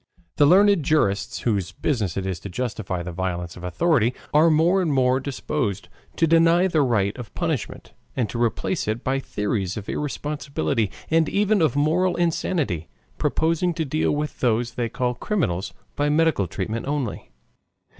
The learned jurists whose business it is to justify the violence of authority, are more and more disposed to deny the right of punishment and to replace it by theories of irresponsibility and even of moral insanity, proposing to deal with those they call criminals by medical treatment only.